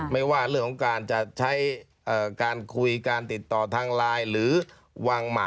ไม่ว่าเรื่องของการจะใช้การคุยการติดต่อทางไลน์หรือวางหมา